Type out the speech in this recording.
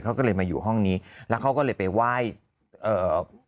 เขาก็เลยมาอยู่ห้องนี้แล้วเขาก็เลยไปไหว้เอ่อ